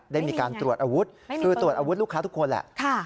ได้มีการตรวจอาวุธคือตรวจอาวุธลูกค้าทุกคนแหละ